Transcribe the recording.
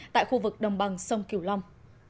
tại khu vực đồng bằng sông kiểu long